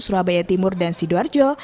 surabaya timur dan sidoarjo